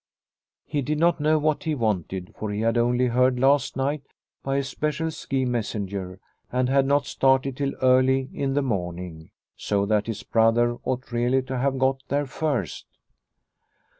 He did not know what he wanted, for he had only heard last night by a special ski messenger and had not started till early in the morning, so that his brother ought really to have got there first.